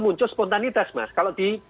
muncul spontanitas mas kalau di